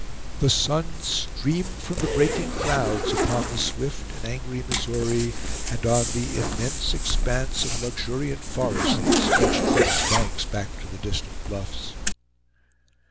The sun streamed from the breaking clouds upon the swift and angry Missouri, and on the immense expanse of luxuriant forest that stretched from its banks back to the distant bluffs.